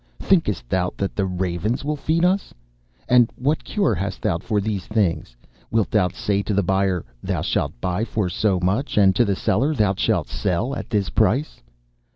Thinkest thou that the ravens will feed us? And what cure hast thou for these things? Wilt thou say to the buyer, "Thou shalt buy for so much," and to the seller, "Thou shalt sell at this price"?